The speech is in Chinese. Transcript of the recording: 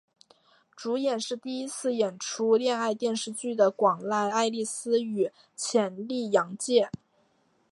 主演是第一次演出恋爱电视剧的广濑爱丽丝与浅利阳介。